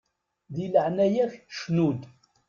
Di leɛnaya-k cnu-d!